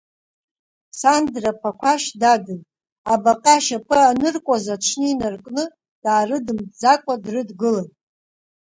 Сандра Ԥақәашь дадын, абаҟа ашьапы аныркуаз аҽны инаркны даарыдымҵӡакәа дрыдгылан.